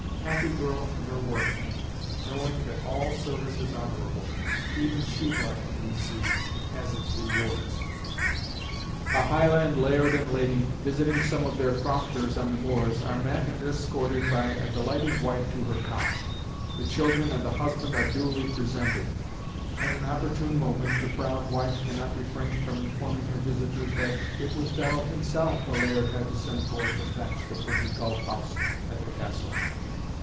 Happy girl in her work, knowing that all service is honorable. Even shoe blacking, we see, has its rewards. A Highland laird and lady, visiting some of their crofters on the moors, are met and escorted by a delighted wife to her cot. The children and the husband are duly presented. At an opportune moment the proud wife cannot refrain from informing her visitors that "it was Donald himsel' the laird had to send for to thatch the pretty golf house at the Castle.